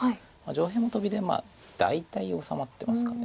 上辺もトビで大体治まってますか。